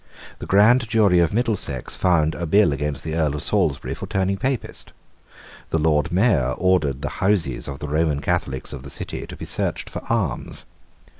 The grand jury of Middlesex found a bill against the Earl of Salisbury for turning Papist. The Lord Mayor ordered the houses of the Roman Catholics of the City to be searched for arms.